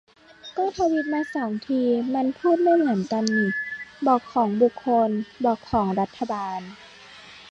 ก็ทวีตมาสองที มันพูดไม่เหมือนกันนิ : บอกของบุคคล ; บอกของรัฐบาล